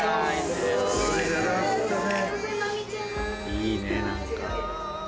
いいね何か。